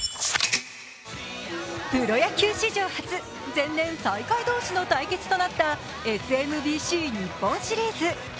プロ野球史上初、前年最下位同士の対決となったＳＭＢＣ日本シリーズ。